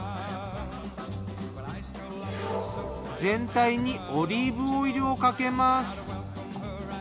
全体にオリーブオイルをかけます。